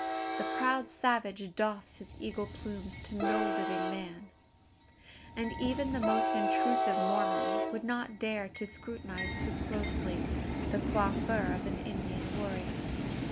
The proud savage doffs his eagle plumes to no living man; and even the most intrusive Mormon would not dare to scrutinise too closely the coiffure of an Indian warrior.